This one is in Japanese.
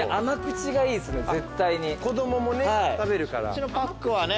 そっちのパックはね